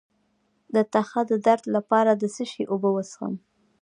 د تخه د درد لپاره د څه شي اوبه وڅښم؟